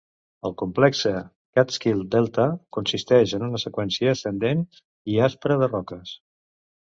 El complexe Catskill Delta consisteix en una seqüència ascendent i aspre de roques.